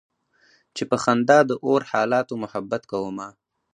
چې په خندا د اور حالاتو محبت کومه